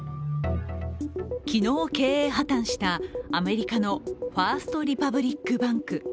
昨日、経営破綻したアメリカのファースト・リパブリック・バンク。